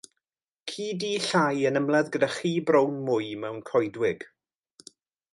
Ci du llai yn ymladd gyda chi brown mwy mewn coedwig.